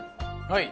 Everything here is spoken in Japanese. はい。